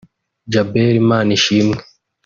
Djabel Manishimwe